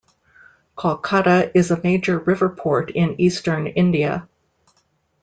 Kolkata is a major river port in eastern India.